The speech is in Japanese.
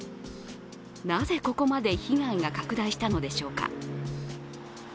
なぜ、ここまで被害が拡大したのでしょうか。